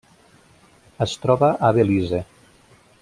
Es troba a Belize.